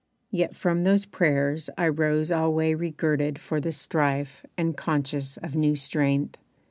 Yet from those prayers I rose alway regirded for the strife And conscious of new strength.